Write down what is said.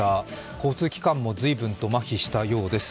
交通機関もずいぶんまひしたようです。